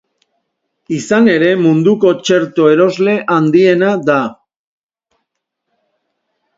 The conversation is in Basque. Izan ere, munduko txerto erosle handiena da.